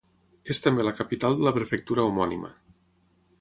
És també la capital de la prefectura homònima.